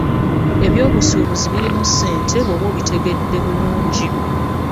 Ebyobusuubuzi birimu ssente bw'oba obitegedde bulungi.